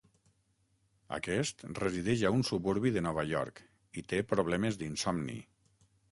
Aquest resideix a un suburbi de Nova York i té problemes d'insomni.